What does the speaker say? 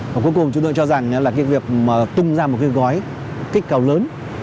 và cuối cùng chúng tôi cho rằng là việc tung ra một cái gói kích cầu lớn